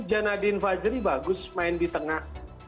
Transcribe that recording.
janadin fajri bagus main di tengah